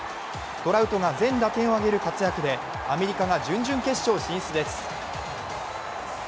トラウトが全打点を挙げる活躍でアメリカが準々決勝進出です。